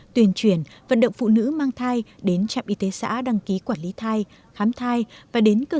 tuyên truyền vận động phụ nữ mang thai đến trạm y tế xã đăng ký quản lý thai khám thai và đến cơ